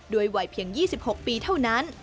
วัยเพียง๒๖ปีเท่านั้น